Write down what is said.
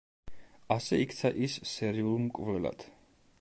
ასე იქცა ის სერიულ მკვლელად.